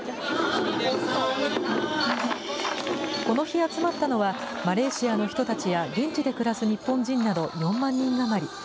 この日、集まったのは、マレーシアの人たちや現地で暮らす日本人など４万人余り。